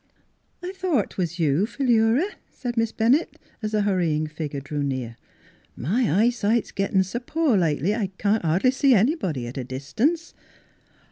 " I thought 'twas you, Philura," said Miss Bennett as the hurrying figure drew near. " My eyesight's gettin' s' poor lately I can't hardly see anybody at a dis tance."